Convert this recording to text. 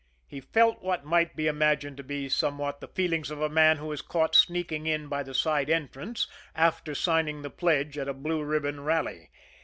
He felt what might be imagined to be somewhat the feelings of a man who is caught sneaking in by the side entrance after signing the pledge at a Blue Ribbon rally.